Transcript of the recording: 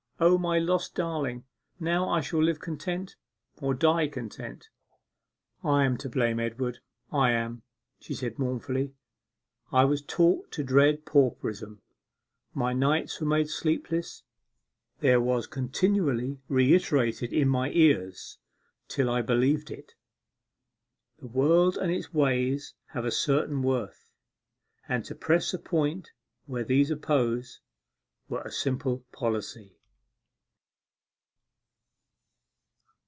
O, my lost darling, now I shall live content or die content!' 'I am to blame, Edward, I am,' she said mournfully; 'I was taught to dread pauperism; my nights were made sleepless; there was continually reiterated in my ears till I believed it '"The world and its ways have a certain worth, And to press a point where these oppose Were a simple policy."